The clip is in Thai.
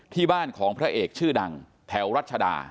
ที่บ้านของพระเอกชื่อดังแถวรัชดา